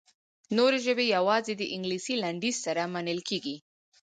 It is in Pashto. نورې ژبې یوازې د انګلیسي لنډیز سره منل کیږي.